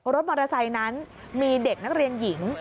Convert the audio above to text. รถมอเตอร์ไซค์นั้นมีเด็กนักเรียนหญิง